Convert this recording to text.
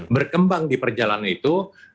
berkembang di perjalanan itu